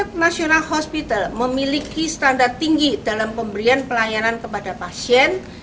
rumah sakit nasional hospital memiliki standar tinggi dalam pemberian pelayanan kepada pasien